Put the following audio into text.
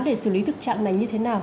để xử lý thức trạng này như thế nào